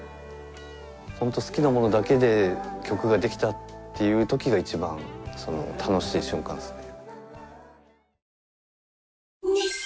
本当に好きなものだけで曲ができたっていう時が一番楽しい瞬間ですね。